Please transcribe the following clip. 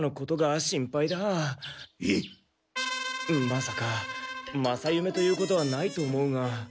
まさか正夢ということはないと思うが。